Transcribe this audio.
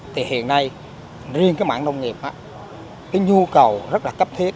thì hiện nay riêng mảng nông nghiệp nhu cầu rất là cấp thiết